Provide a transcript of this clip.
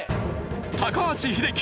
高橋英樹